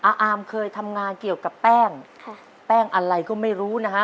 อาอามเคยทำงานเกี่ยวกับแป้งค่ะแป้งแป้งอะไรก็ไม่รู้นะฮะ